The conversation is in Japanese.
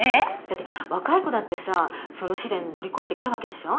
だって若い子だってさその試練乗り越えてきたわけでしょ？